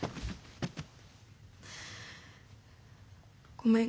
ごめん。